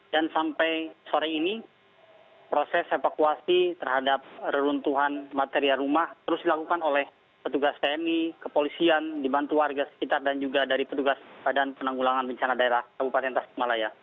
dan sampai sore ini proses evakuasi terhadap reruntuhan material rumah terus dilakukan oleh petugas tni kepolisian dibantu warga sekitar dan juga dari petugas badan penanggulangan pencana daerah kabupaten tasik malaya